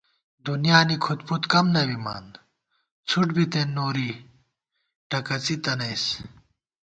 دُنیا نی کھُد پُد کم نہ بِمان ، څھُٹ بِتېن نوری ٹَکَڅِی تنَئیس